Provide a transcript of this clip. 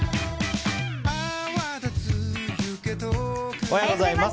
おはようございます。